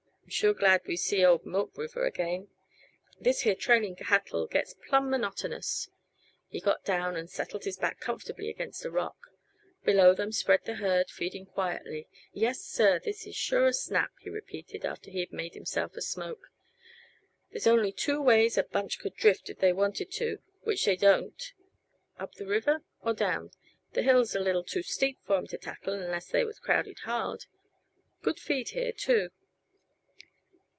I'm sure glad to see old Milk River again; this here trailing cattle gets plumb monotonous." He got down and settled his back comfortably against a rock. Below them spread the herd, feeding quietly. "Yes, sir, this is sure a snap," he repeated, after he had made himself a smoke. "They's only two ways a bunch could drift if they wanted to which they don't up the river, or down. This hill's a little too steep for 'em to tackle unless they was crowded hard. Good feed here, too.